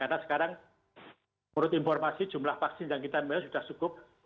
dan sekarang menurut informasi jumlah vaksin yang kita milih sudah cukup